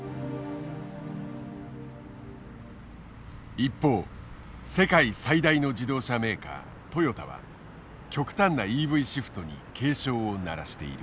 一方世界最大の自動車メーカートヨタは極端なＥＶシフトに警鐘を鳴らしている。